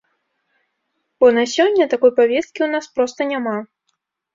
Бо на сёння такой павесткі ў нас проста няма.